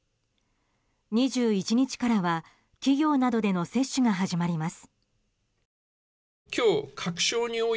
２１日からは企業などでの接種が始まります。